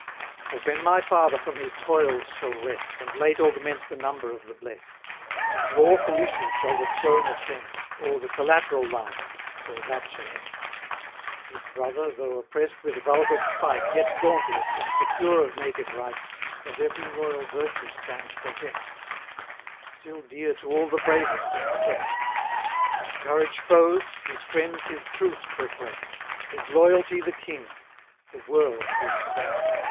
For when my father from his toils shall rest, And late augment the number of the blest, 350 His lawful issue shall the throne ascend, Or the collateral line, where that shall end. His brother, though oppress'd with vulgar spite, Yet dauntless, and secure of native right, Of every royal virtue stands possess'd; Still dear to all the bravest and the best. His courage foes his friends his truth proclaim; His loyalty the king the world his fame.